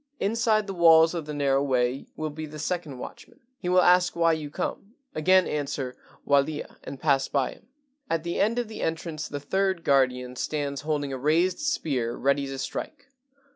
"Inside the walls of the narrow way will be the second watchman. He will ask why you come; again answer, 'Walia/ and pass by him. "At the end of the entrance the third guardian stands holding a raised spear ready to strike.